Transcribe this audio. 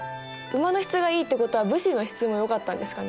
馬の質がいいってことは武士の質もよかったんですかね？